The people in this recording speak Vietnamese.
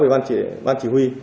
về ban chỉ huy